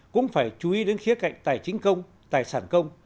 cũng phải chú ý đến khía cạnh tài chính công tài sản công